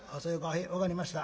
へえ分かりました。